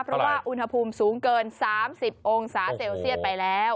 เพราะว่าอุณหภูมิสูงเกิน๓๐องศาเซลเซียตไปแล้ว